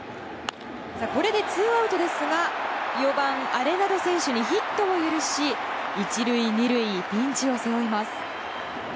これでツーアウトですが４番、アレナド選手にヒットを許し１塁２塁、ピンチを背負います。